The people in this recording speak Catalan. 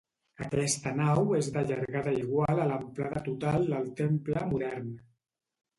Aquesta nau és de llargada igual a l'amplada total del temple modern.